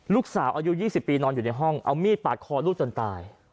ลูกสาวอายุ๒๐ปีนอนอยู่ในห้องเอามีดปาดคอลูกจนตาย